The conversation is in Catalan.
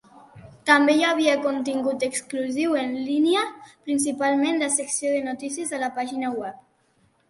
També hi havia contingut exclusiu en línia, principalment la secció de notícies a la pàgina web.